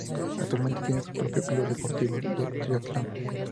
Actualmente tiene su propio club deportivo de triatlón.